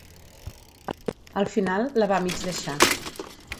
Al final la va mig deixar.